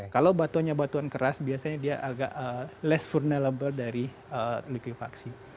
kalau batuannya batuan keras biasanya dia agak less vulnerable dari likuifaksi